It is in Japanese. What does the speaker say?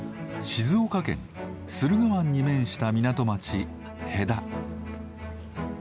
静岡県駿河湾に面した港町戸田。